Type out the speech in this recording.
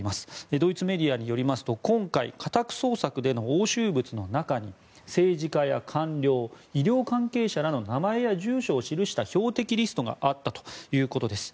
ドイツメディアによりますと今回、家宅捜索での押収物の中に政治家や官僚医療関係者の名前や住所を示した標的リストがあったということです。